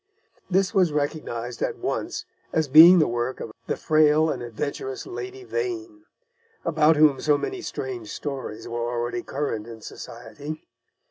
This was recognised at once as being the work of the frail and adventurous Lady Vane, about whom so many strange stories were already current in society.